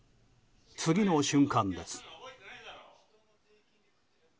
次の瞬間です。